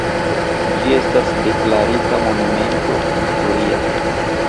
Ĝi estas deklarita monumento historia.